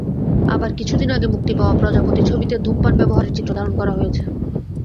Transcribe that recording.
আবার কিছুদিন আগে মুক্তি পাওয়া প্রজাপতি ছবিতে ধূমপান ব্যবহারের চিত্র ধারণ করা হয়েছে।